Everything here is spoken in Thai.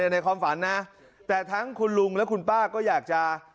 ในความฝันนะแต่ทั้งคุณลุงและคุณป้าก็อยากจะ